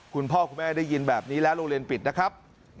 คุณพ่อคุณแม่ได้ยินแบบนี้แล้วโรงเรียนปิดนะครับ